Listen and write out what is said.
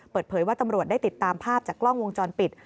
เปิดเผยว่าตำรวจได้ติดตามภาพจากกล้องวงจรปิด